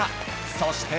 そして。